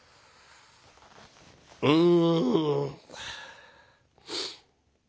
うん。